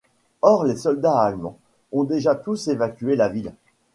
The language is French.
Or les soldats allemands ont déjà tous évacué la ville.